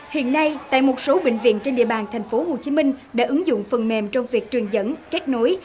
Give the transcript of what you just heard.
hiện nay tại một số bệnh viện trên địa bàn tp hcm đã ứng dụng phần mềm trong việc truyền dẫn kết nối